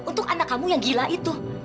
untuk anak kamu yang gila itu